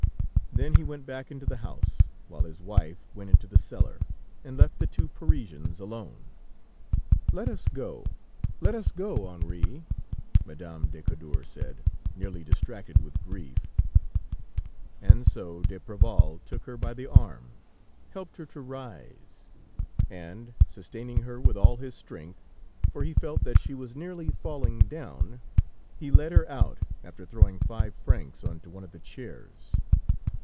Then he went back into the house, while his wife went into the cellar, and left the two Parisians alone. "Let us go, let us go Henri," Madame de Cadour said, nearly distracted with grief, and so d'Apreval took her by the arm, helped her to rise, and sustaining her with all his strength, for he felt that she was nearly falling down, he led her out, after throwing five francs onto one of the chairs.